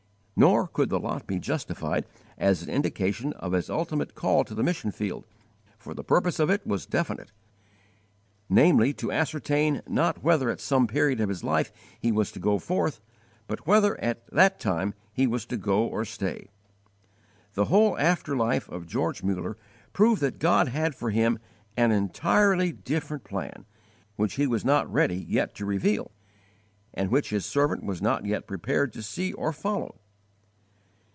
Nor could the lot be justified as an indication of his ultimate call to the mission field, for the purpose of it was definite, namely, to ascertain, not whether at some period of his life he was to go forth, but whether at that time he was to go or stay. The whole after life of George Muller proved that God had for him an entirely different plan, which He was not ready yet to reveal, and which His servant was not yet prepared to see or follow.